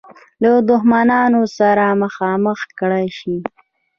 له دښمنانو سره مخامخ کړه شي.